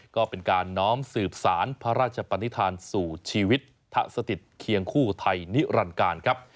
ก็เป็นการน้อมสืบสารพระราชปนิษฐานสู่ชีวิตทะสถิตเคียงคู่ไทยนิรันการครับ